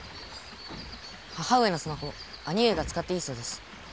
母上のスマホ兄上が使っていいそうです。